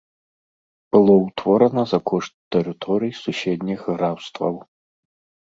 Было ўтворана за кошт тэрыторый суседніх графстваў.